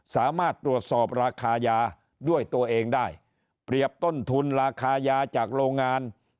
สามารถตรวจสอบราคายาด้วยตัวเองได้เปรียบต้นทุนราคายาจากโรงงาน